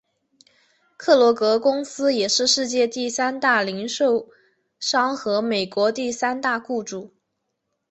克罗格公司也是世界第三大零售商和美国第三大雇佣主。